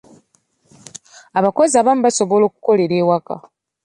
Abakozi abamu basobola okukolera ewaka.